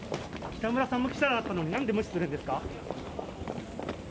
北村さんも記者だったのに、なんで無視するんですか。